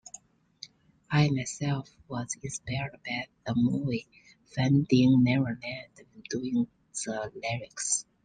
I, myself, was inspired by the movie "Finding Neverland" when doing the lyrics.